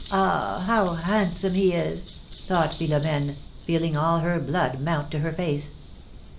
Ah! how handsome he is!'^ thought Philom^ne, feeling all her blood mount to her face.